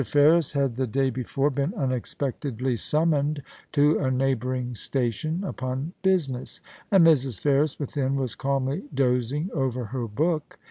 Ferris had the day before been unexpectedly summoned to a neighbouring station upon business, and Mrs. Ferris within was calmly dozing over her book.